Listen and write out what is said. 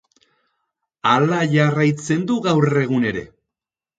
Hala jarraitzen du gaur egun ere.